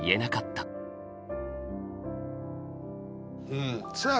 うんさあ